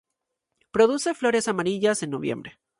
Produce flores amarillas en noviembre.